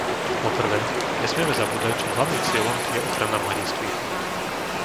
Po prvé, nesmieme zabúdať, že hlavným cieľom je ochrana mladistvých.